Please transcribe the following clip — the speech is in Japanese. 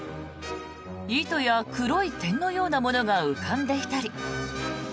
糸や黒い点のようなものが浮かんでいたり。